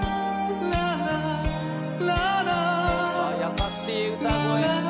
優しい歌声。